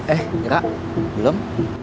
eh kira belum